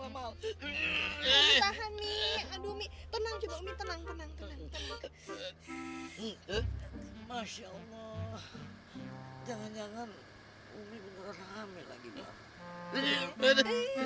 masya allah jangan jangan